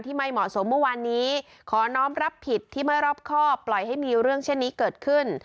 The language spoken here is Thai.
ไม่เหมาะสมเมื่อวานนี้ขอน้องรับผิดที่ไม่รอบครอบปล่อยให้มีเรื่องเช่นนี้เกิดขึ้น